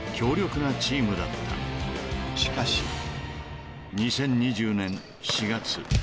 ［しかし２０２０年４月］